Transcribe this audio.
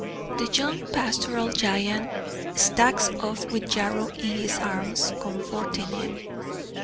The young pastoral giant stalks off with Yarrow in his arms comforting him.